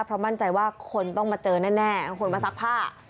เพราะมั่นใจว่าคนต้องมาเจอแน่คนมาซักผ้า